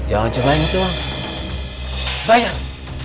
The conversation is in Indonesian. jangan cobain itu bayar